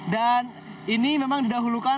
dan ini memang didahulukan